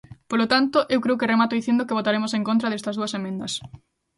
Polo tanto, eu creo que remato dicindo que votaremos en contra destas dúas emendas.